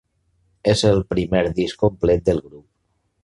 És el primer disc complet del grup.